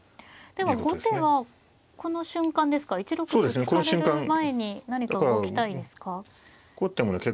では後手はこの瞬間ですか１六歩突かれる前に何か動きたいですか。